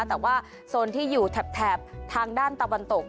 แต่ว่าโซนที่อยู่แถบทางด้านตะวันตก